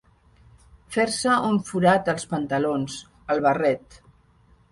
Fer-se un forat als pantalons, al barret.